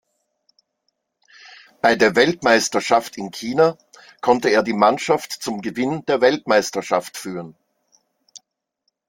Bei der Weltmeisterschaft in China konnte er die Mannschaft zum Gewinn der Weltmeisterschaft führen.